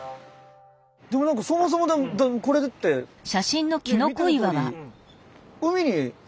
でも何かそもそもこれだってそうですよね。